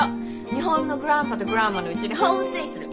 日本のグランパとグランマのうちにホームステイする。